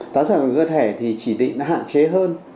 tán sỏi ngoài cơ thể thì chỉ định hạn chế hơn